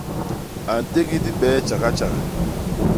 A ntégi dibee tjagatjaga.